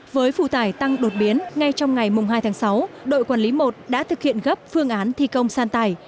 với phụ tải tăng đột biến ngay trong ngày hai tháng sáu đội quản lý một đã thực hiện gấp phương án thi công san tải